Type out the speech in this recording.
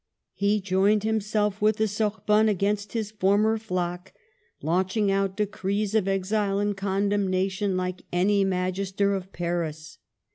He joined himself with the Sorbonne against his former flock, launch ing out decrees of exile and condemnation like any Magister of Paris.